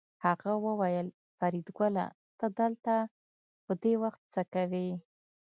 هغه وویل فریدګله ته دلته په دې وخت څه کوې